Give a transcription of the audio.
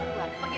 sudah besar kan